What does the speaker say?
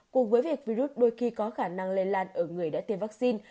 cùng với việc virus đôi khi có khả năng lây lan ở người đã tiêm vaccine